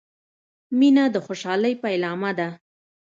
• مینه د خوشحالۍ پیلامه ده.